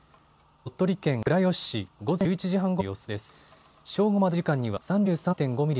鳥取県倉吉市、午前１１時半ごろの様子です。